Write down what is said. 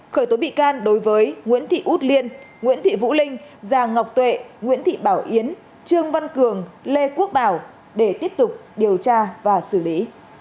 khởi tố bị can đối với nguyễn thị út liên nguyễn thị vũ linh già ngọc tuệ nguyễn thị bảo yến trương văn cường lê quốc bảo để tiếp tục điều tra và xử lý